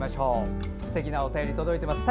すてきなお便り、届いています。